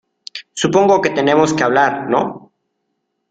supongo que tenemos que hablar, ¿ no?